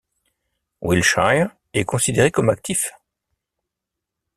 Wilshire, est considéré comme actif.